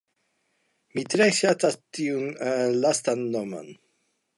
Mi tre ŝatas tiun lastan nomon!